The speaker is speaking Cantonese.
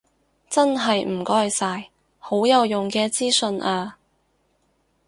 真係唔該晒，好有用嘅資訊啊